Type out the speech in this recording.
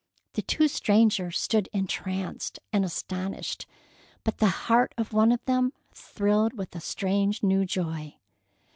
The two strangers stood entranced and astonished; but the heart of one of them thrilled with a strange new joy.